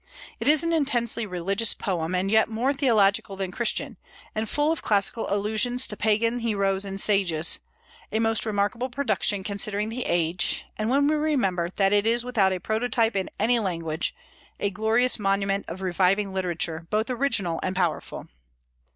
It is an intensely religious poem, and yet more theological than Christian, and full of classical allusions to pagan heroes and sages, a most remarkable production considering the age, and, when we remember that it is without a prototype in any language, a glorious monument of reviving literature, both original and powerful.